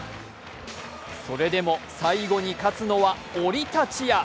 それでも最後に勝つのはオリたちや。